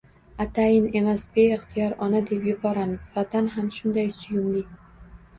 Atayin emas, beixtiyor «Ona» deb yuboramiz! Vatan ham shunday suyumli